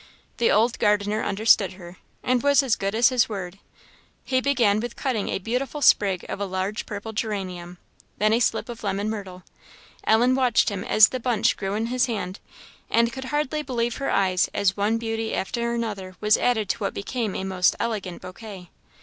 The old gardener understood her, and was as good as his word. He began with cutting a beautiful sprig of a large purple geranium, then a slip of lemon myrtle. Ellen watched him as the bunch grew in his hand, and could hardly believe her eyes as one beauty after another was added to what became a most elegant bouquet.